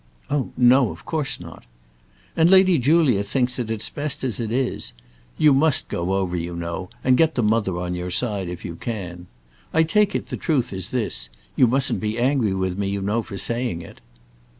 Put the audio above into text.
"Oh, no; of course not." "And Lady Julia thinks that it's best as it is. You must go over, you know, and get the mother on your side, if you can. I take it, the truth is this; you mustn't be angry with me, you know, for saying it."